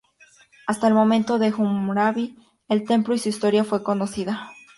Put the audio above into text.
Hasta el momento de Hammurabi, el templo y su historia fue conocida.